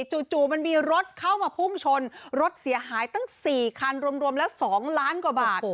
จู่มันมีรถเข้ามาพุ่งชนรถเสียหายตั้ง๔คันรวมแล้ว๒ล้านกว่าบาท